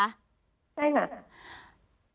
ใช่ค่ะ